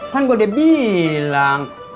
kan gue udah bilang